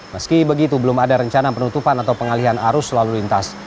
meski begitu belum ada rencana penutupan atau pengalihan arus lalu lintas